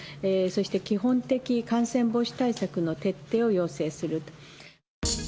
そして、基本的感染防止対策の徹底を要請すると。